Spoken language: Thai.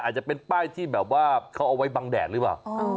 อาจจะเป็นป้ายที่แบบว่าเขาเอาไว้บังแดดหรือเปล่า